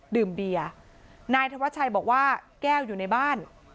ดื่มเบียร์นายธวัชชัยบอกว่าแก้วอยู่ในบ้าน